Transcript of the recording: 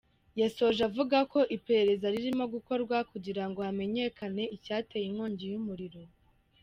Yasoje avuga ko iIperereza ririmo gukorwa kugira ngo hamenyekane icyateye inkongi y’umuriro.